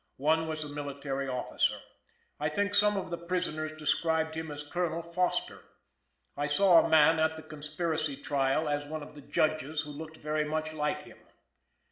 One was a military officer. I think some of the prisoners described him as Colonel Foster. I saw a man at the conspiracy trial as one of the Judges who looked very much like him.